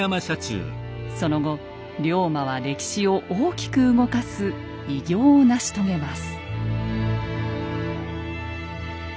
その後龍馬は歴史を大きく動かす偉業を成し遂げます。